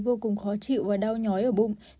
vô cùng khó chịu và đau nhói ở bụng